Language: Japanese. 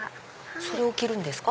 それを着るんですか。